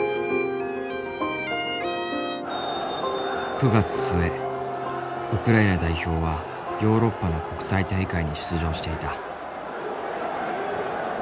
９月末ウクライナ代表はヨーロッパの国際大会に出場していた。